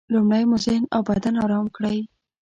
لومړی مو ذهن او بدن ارام کړئ.